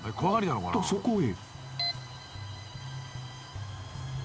［とそこへ］